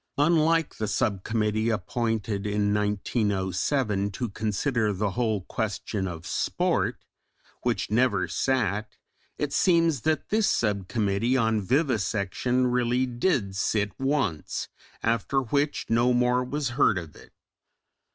Unlike the sub committee appointed in 1907 "to consider the whole question of sport" which never sat, it seems that this sub committee on vivisection really did sit once, after which no more was heard of it.